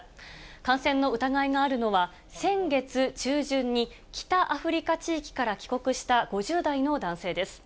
感染の疑いがあるのは、先月中旬に、北アフリカ地域から帰国した５０代の男性です。